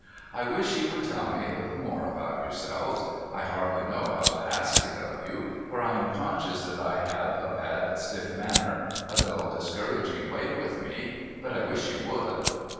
I wish you would tell me a little more about yourselves. I hardly know how to ask it of you, for I am conscious that I have a bad stiff manner, a dull discouraging way with me, but I wish you would.'